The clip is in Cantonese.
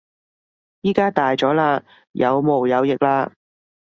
而家大咗喇，有毛有翼喇